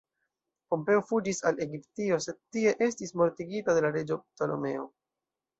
Pompeo fuĝis al Egiptio, sed tie estis mortigita de la reĝo Ptolemeo.